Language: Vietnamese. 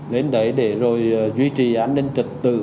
đến đấy để rồi duy trì an ninh trật tự